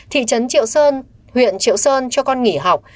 thị trấn triệu sơn huyện triệu sơn cho con nghỉ học